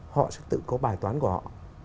họ sẽ tự có bài toán của họ